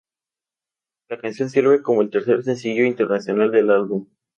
La canción sirve como el tercer sencillo internacional del álbum.